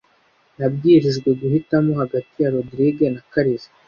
Nabwirijwe guhitamo hagati ya Rogride na Kariza .